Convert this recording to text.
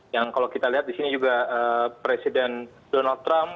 yang kalau kita lihat di sini juga presiden donald trump